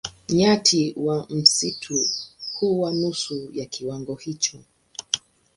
Nyati wa msitu huwa nusu ya kiwango hicho.